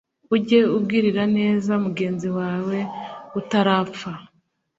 Ujye ugirira neza mugenzi wawe utarapfa,